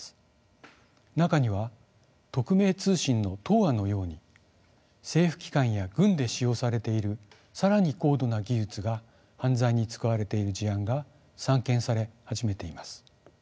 中には匿名通信のＴｏｒのように政府機関や軍で使用されている更に高度な技術が犯罪に使われている事案が散見され始めています。